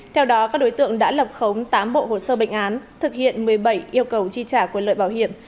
theo đó các đối tượng đã lập khống tám bộ hồ sơ bệnh án thực hiện một mươi bảy yêu cầu chi trả quyền lợi bảo hiểm